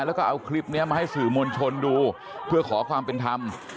แล้วก็เอาคลิปนี้มาให้สื่อมวลชนดูเพื่อขอความเป็นธรรม